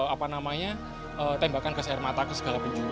apa namanya tembakan gas air mata ke segala penyu